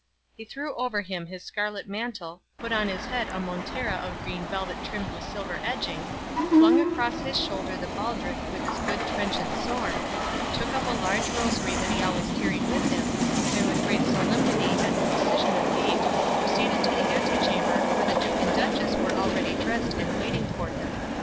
He threw over him his scarlet mantle, put on his head a montera of green velvet trimmed with silver edging, flung across his shoulder the baldric with his good trenchant sword, took up a large rosary that he always carried with him, and with great solemnity and precision of gait proceeded to the antechamber where the duke and duchess were already dressed and waiting for him.